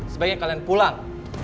sebaiknya kalian pulang